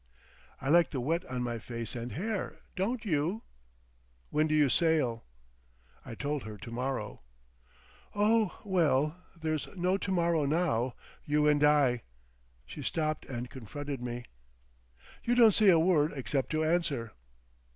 "I like the wet on my face and hair, don't you? When do you sail?" I told her to morrow. "Oh, well, there's no to morrow now. You and I!" She stopped and confronted me. "You don't say a word except to answer!"